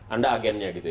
anda agennya gitu ya